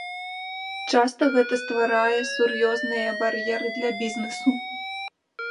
Часта гэта стварае сур'ёзныя бар'еры для бізнесу.